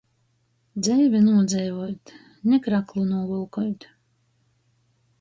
Dzeivi nūdzeivuot, ni kraklu nūvolkuot.